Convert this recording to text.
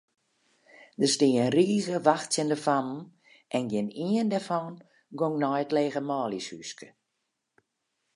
Der stie in rige wachtsjende fammen en gjinien dêrfan gong nei it lege manljushúske.